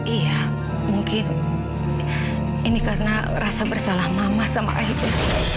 iya mungkin ini karena rasa bersalah mama sama ayahnya